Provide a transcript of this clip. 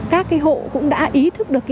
các cái hộ cũng đã ý thức được